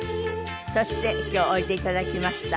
そして今日おいでいただきました。